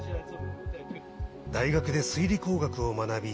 大学で水利工学を学び